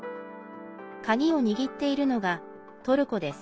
鍵を握っているのがトルコです。